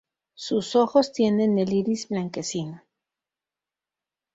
Sus ojos tienen el iris blanquecino.